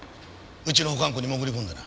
うちの保管庫に潜り込んでな。